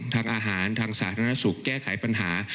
ทางอาหารทางสาธารณสุขแก้ไขปัญหา